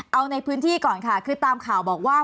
เอาในพื้นที่ก่อนค่ะคือตามข่าวบอกว่า